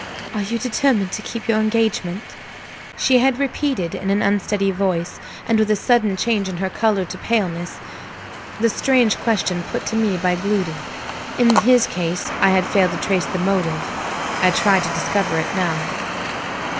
"Are you determined to keep your engagement?" She had repeated in an unsteady voice, and with a sudden change in her color to paleness the strange question put to me by Gloody. In his case I had failed to trace the motive. I tried to discover it now.